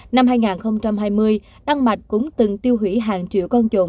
năm hai nghìn hai mươi đan mạch cũng từng tiêu hủy hàng triệu con trộn